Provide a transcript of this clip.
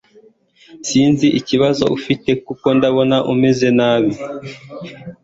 Sinzi ikibazo ufite kuko ndabona umeze nabi